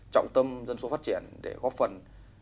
trọng tâm dân số phát triển để góp phần